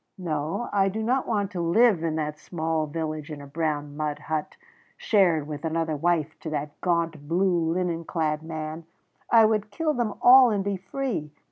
No, I do not want to live in that small village in a brown mud hut, shared with another wife to that gaunt blue linen clad man; I would kill them all and be free.